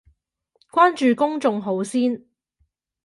關注公眾號先